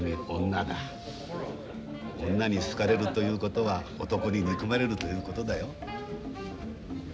女に好かれるということは男に憎まれるということだよ。